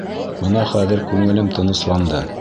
Бына хәҙер күңелем тынысланды.